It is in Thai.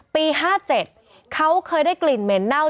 ปี๕๗เขาเคยได้กลิ่นเหม็นเน่า